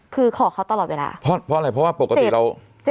คือขอเขาตลอดเวลาเพราะอะไรเพราะว่าปกติเราจะ